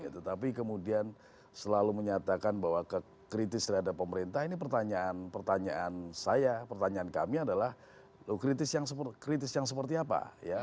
tetapi kemudian selalu menyatakan bahwa kritis terhadap pemerintah ini pertanyaan saya pertanyaan kami adalah kritis yang seperti apa